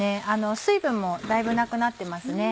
水分もだいぶなくなってますね。